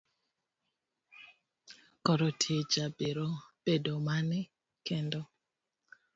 Koro tija biro bedo mane kendo?